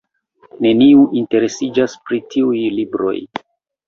Neniu interesiĝas pri tiuj libroj.